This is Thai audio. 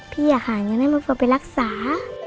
พี่อยากหาอย่างนั้นให้มะเฟืองไปรักษา